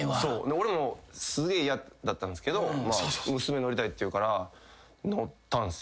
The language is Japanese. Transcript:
俺も嫌だったんすけど娘乗りたいって言うから乗ったんすよ。